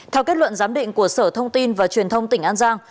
theo kết luận giám định của sở thông tin và truyền thông tỉnh an giang